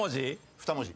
２文字。